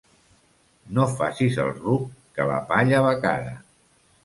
No facis el ruc, que la palla va cara.